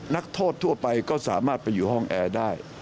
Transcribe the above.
นักโทษทั่วไปก็สามารถไปอยู่ห้องแอร์ได้